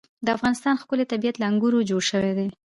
د افغانستان ښکلی طبیعت له انګورو جوړ شوی دی.